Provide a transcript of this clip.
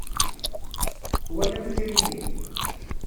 Twalam itri-nni?